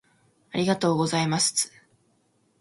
ありがとうございますつ